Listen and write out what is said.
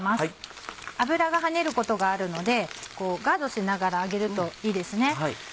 油が跳ねることがあるのでこうガードしながら揚げるといいですね。